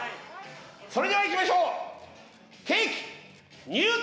それではいきましょう！